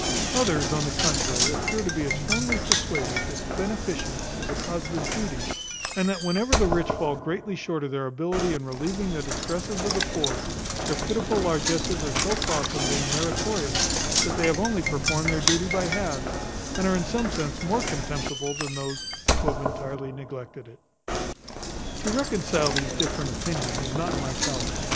Others, on the contrary, appear to be as firmly persuaded, that beneficence is a positive duty, and that whenever the rich fall greatly short of their ability in relieving the distresses of the poor, their pitiful largesses are so far from being meritorious, that they have only performed their duty by halves, and are in some sense more contemptible than those who have entirely neglected it. To reconcile these different opinions is not in my power.